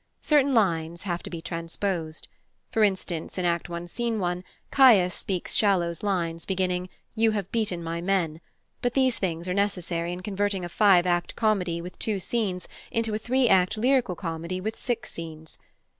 Certain lines have to be transposed. For instance, in Act i, Scene 1, Caius speaks Shallow's lines, beginning "You have beaten my men"; but these things are necessary in converting a five act comedy, with two scenes, into a three act lyrical comedy with six scenes.